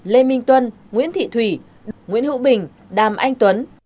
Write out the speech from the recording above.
lê minh tuân nguyễn thị thủy nguyễn hữu bình đàm anh tuấn